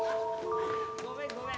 ・ごめんごめん